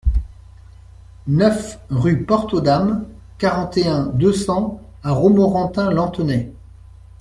neuf rue Porte aux Dames, quarante et un, deux cents à Romorantin-Lanthenay